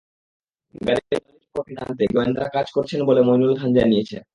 গাড়ির মালিক সম্পর্কে জানতে গোয়েন্দারা কাজ করছেন বলে মইনুল খান জানিয়েছেন।